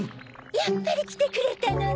やっぱりきてくれたのね！